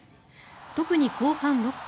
特に後半６分。